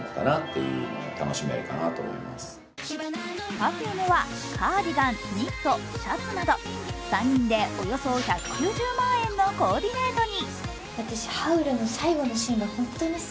Ｐｅｒｆｕｍｅはカーディガン、ニットシャツなど、３人でおよそ１９０万円のコーディネートに。